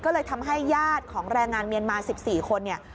ก็เลยทำให้ญาติของแรงงานเมียนมา๑๔คนเนี่ย